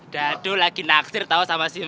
dadul lagi naksir tau sama si megan